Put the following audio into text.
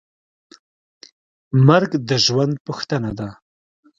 مرګ د ژوند پوښتنه ده.